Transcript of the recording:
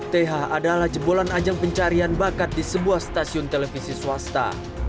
th adalah jebolan ajang pencarian bakat di sebuah stasiun televisi swasta